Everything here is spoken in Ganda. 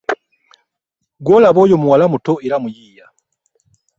Gwolaba oyo muwala muto era omuyiiya.